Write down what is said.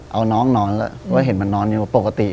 เอาน้องนอนแล้วว่าเห็นมันนอนอยู่ปกติ